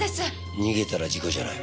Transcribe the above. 逃げたら事故じゃない。